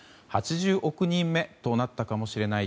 ８０億人目となったかもしれない